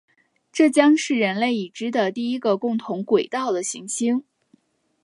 这将是人类已知的第一个共同轨道的行星。